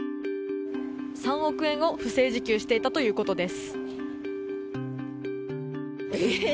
３億円を不正受給していたということです。